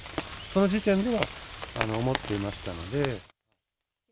その時点では思っていましたので。